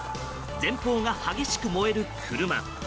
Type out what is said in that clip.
前方が激しく燃える車。